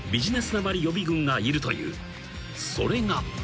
［それが］